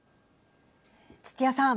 土屋さん。